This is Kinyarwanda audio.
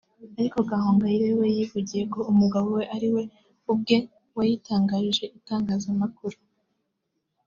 ariko Gahongayire we yivugiye ko “umugabo we ari we ubwe wayitangarije itangazamakuru